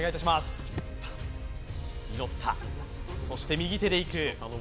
右手で引く。